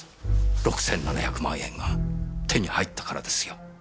６７００万円が手に入ったからですよ。